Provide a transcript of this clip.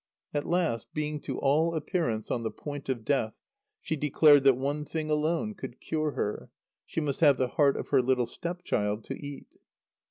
At last, being to all appearance on the point of death, she declared that one thing alone could cure her. She must have the heart of her little step child to eat.